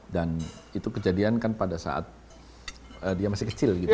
dan itu kejadian kan pada saat dia masih kecil gitu